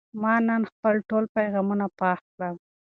ما نن خپل ټول پیغامونه پاک کړل.